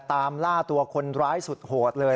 ตามล่าตัวคนร้ายสุดโหดเลย